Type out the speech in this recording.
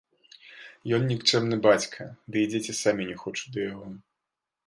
Ён нікчэмны бацька, ды і дзеці самі не хочуць да яго.